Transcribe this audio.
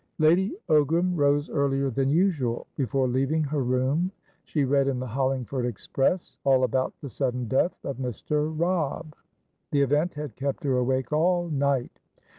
Lady Ogram rose earlier than usual. Before leaving her room, she read in the Hollingford Express all about the sudden death of Mr. Robb. The event had kept her awake all night.